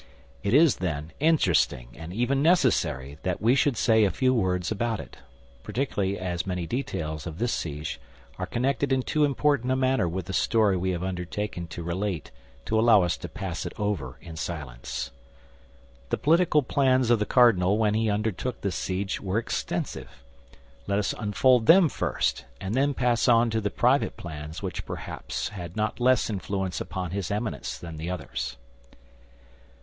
It is, then, interesting and even necessary that we should say a few words about it, particularly as many details of this siege are connected in too important a manner with the story we have undertaken to relate to allow us to pass it over in silence. The political plans of the cardinal when he undertook this siege were extensive. Let us unfold them first, and then pass on to the private plans which perhaps had not less influence upon his Eminence than the others.